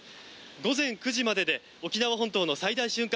午前９時までで沖縄本島の最大瞬間